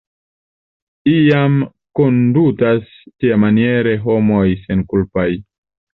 Iam kondutas tiamaniere homoj senkulpaj.